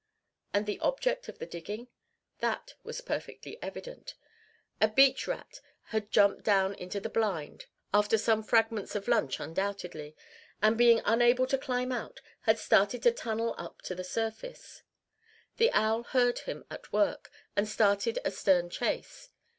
And the object of the digging? That was perfectly evident. A beach rat had jumped down into the blind, after some fragments of lunch, undoubtedly, and being unable to climb out, had started to tunnel up to the surface. The owl heard him at work, and started a stern chase.